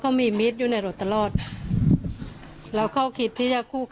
เขาจะทำวันในก็ได้